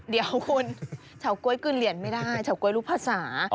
เดี๋ยวคุณเฉาก๊วยคืนเหรียญไม่ได้เฉาก๊วยรู้ภาษา